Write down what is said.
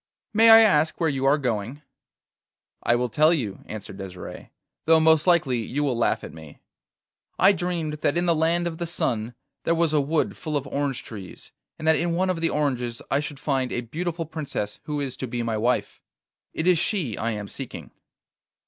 May I ask where you are going?' 'I will tell you,' answered Desire, 'though most likely you will laugh at me. I dreamed that in the land of the sun there was a wood full of orange trees, and that in one of the oranges I should find a beautiful princess who is to be my wife. It is she I am seeking.